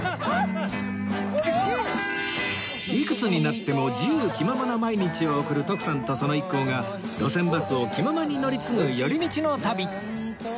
いくつになっても自由気ままな毎日を送る徳さんとその一行が路線バスを気ままに乗り継ぐ寄り道の旅